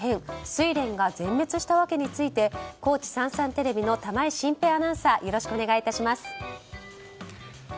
スイレンが全滅した訳について高知さんさんテレビの玉井新平アナウンサーよろしくお願いします。